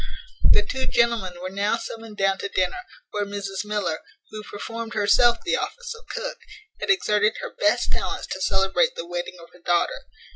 The two gentlemen were now summoned down to dinner, where Mrs Miller, who performed herself the office of cook, had exerted her best talents to celebrate the wedding of her daughter.